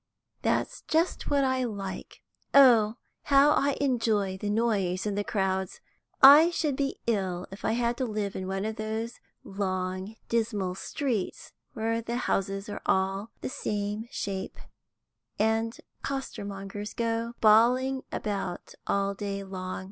That's just what I like. Oh, how I enjoy the noise and the crowds! I should be ill if I had to live in one of those long, dismal streets, where the houses are all the same shape, and costermongers go bawling about all day long.